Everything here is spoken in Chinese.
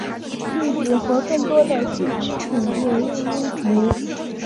例子和更多的讯息请见锐音符。